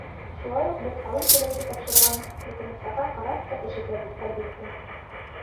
Шулай уҡ беҙ һалым түләүсе тапшырған документтарға ҡарап та эш итәбеҙ, әлбиттә.